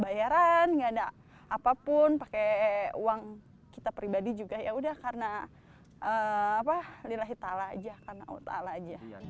bukan bayaran enggak ada apapun pakai uang kita pribadi juga yaudah karena lillahi ta'ala aja